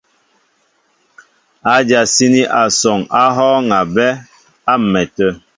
Ádyasíní asɔŋ á hɔ́ɔ́ŋ a bɛ́ á m̀mɛtə̂.